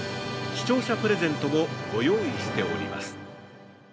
視聴者プレゼントもご用意しております。